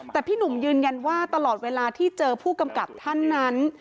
แต่พี่หนุ่มยืนยันว่าตลอดเวลาที่เจอผู้กำกับท่านนั้น